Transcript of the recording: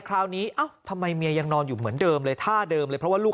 คราวนี้เอ้าทำไมเมียยังนอนอยู่เหมือนเดิมเลยท่าเดิมเลยเพราะว่าลูก